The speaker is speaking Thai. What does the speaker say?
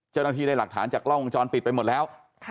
เจ้าหน้าที่ได้หลักฐานจากกล้องวงจรปิดไปหมดแล้ว